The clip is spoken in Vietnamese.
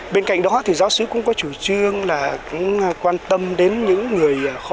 bên cạnh đó thì giáo sứ cũng có chủ trương là cũng quan tâm đến những người khó